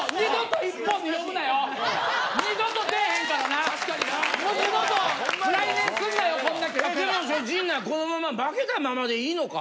でも陣内、このまま負けたままでいいのか。